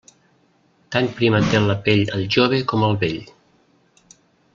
Tan prima té la pell el jove com el vell.